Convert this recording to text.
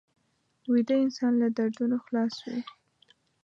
ویده انسان له دردونو خلاص وي